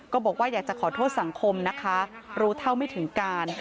ก็บอกว่าอยากจะขอโทษสังคมนะคะรู้เท่าไม่ถึงการ